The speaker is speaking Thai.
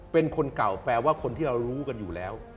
เป็นคนเก่าแปลว่าคนที่เรารู้กันอยู่แล้ว